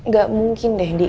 gak mungkin deh dih